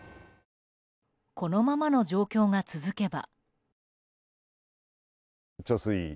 このままの状況が続けば。